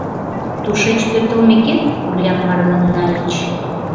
— Тушеч пӧртылмекет, Улям марлан нальыч.